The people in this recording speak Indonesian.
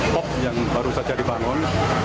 pop yang baru saja dibangun